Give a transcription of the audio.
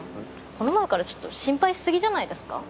この前からちょっと心配し過ぎじゃないですか？